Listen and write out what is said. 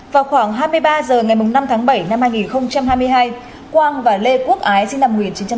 vào khoảng hai mươi ba h ngày năm tháng bảy năm hai nghìn hai mươi hai quang và lê quốc ái sinh năm một nghìn chín trăm tám mươi hai